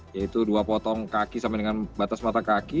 yaitu dua potong kaki sampai dengan batas mata kaki